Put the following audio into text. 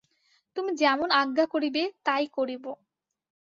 তুমি যেমন আজ্ঞা করিবে তাই করিব।